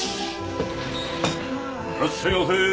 いらっしゃいませー。